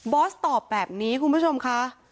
อสตอบแบบนี้คุณผู้ชมค่ะ